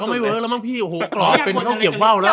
กลับมาก็ไม่เว้อแล้วมั้งพี่กล่อเป็นเข้าเกี่ยวเบ้าแล้ว